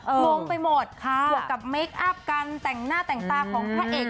ลวงไปหมดควบกับเมคอัพกันแต่งหน้าแต่งตาของผู้ใหญ่